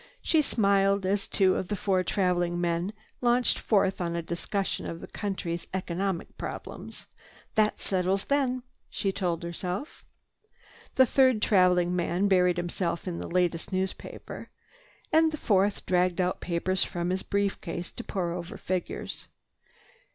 She smiled as two of the four traveling men launched forth on a discussion of the country's economic problems. "That settles them," she told herself. The third traveling man buried himself in the latest newspaper, and the fourth dragged out papers from his brief case to pour over figures.